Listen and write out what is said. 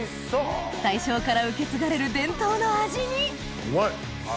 大正から受け継がれる伝統の味にうまい。